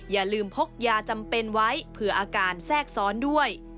อย่าลืมพกยาจำเป็นไว้เผื่ออาการแทรกซ้อนด้วย